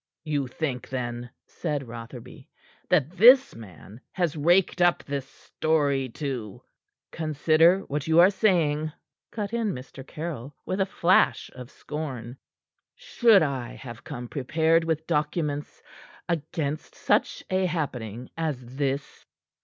"You think, then," said Rotherby, "that this man has raked up this story to " "Consider what you are saying," cut in Mr. Caryll, with a flash of scorn. "Should I have come prepared with documents against such a happening as this?"